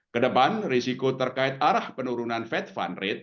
kedepan risiko terkait arah penurunan fed fund rate